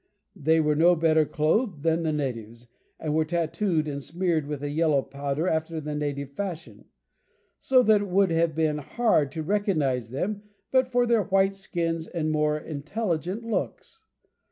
They were no better clothed than the natives, and were tatooed and smeared with a yellow powder after the native fashion; so that it would have been hard to recognize them but for their white skins and more intelligent looks.